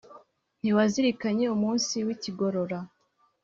ntiwazirikanye umunsi w’i kigorora?